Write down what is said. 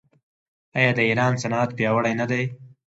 آیا د ایران صنعت پیاوړی نه دی؟